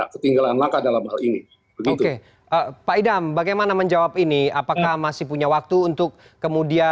ketinggalan maka dalam hal ini oke pak idam bagaimana menjawab ini apakah masih punya waktu untuk kemudian